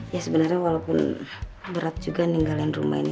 ya sebenarnya walaupun berat juga ninggalin rumah ini